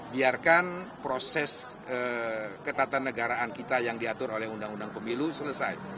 biarkan proses ketatanegaraan kita yang diatur oleh undang undang pemilu selesai